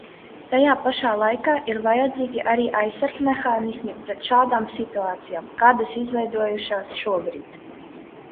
Tajā pašā laikā ir vajadzīgi arī aizsargmehānismi pret šādām situācijām, kādas izveidojušās šobrīd.